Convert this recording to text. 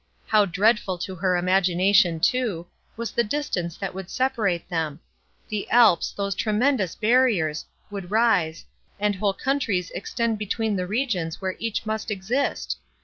How dreadful to her imagination, too, was the distance that would separate them—the Alps, those tremendous barriers! would rise, and whole countries extend between the regions where each must exist!